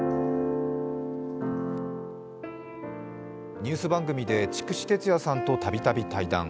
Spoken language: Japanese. ニュース番組で筑紫哲也さんとたびたび対談。